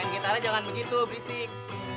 gitarnya jangan begitu berisik